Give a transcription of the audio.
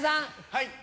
はい。